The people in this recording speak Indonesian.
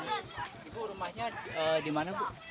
ibu rumahnya di mana bu